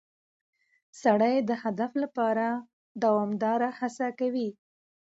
سړی د هدف لپاره دوامداره هڅه کوي